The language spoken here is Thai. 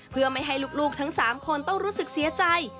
เพื่อไม่ให้ลูกทั้ง๓คนต้องรู้สึกเสียใจ